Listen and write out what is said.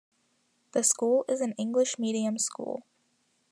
The school is an English medium school.